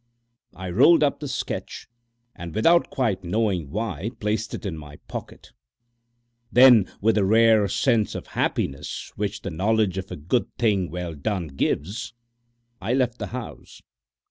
I rolled up the sketch, and without quite knowing why, placed it in my pocket. Then with the rare sense of happiness which the knowledge of a good thing well done gives, I left the house.